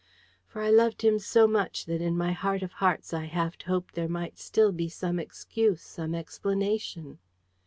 For I loved him so much that in my heart of hearts, I half hoped there might still be some excuse, some explanation.